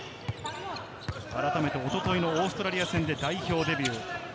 改めて一昨日のオーストラリア戦で代表デビュー。